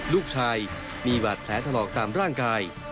ลูกชายมีบาดแผลถลอกตามร่างกาย